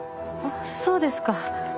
そうですか。